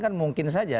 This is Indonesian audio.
kan mungkin saja